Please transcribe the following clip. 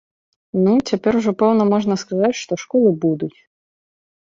Ну, цяпер ужо пэўна можна сказаць, што школы будуць!